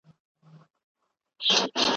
د ساینس څانګه تر نورو څانګو بېله ده.